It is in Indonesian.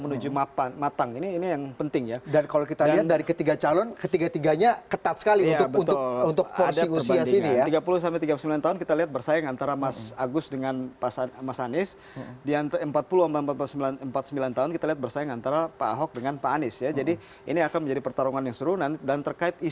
untuk bisa diperbaiki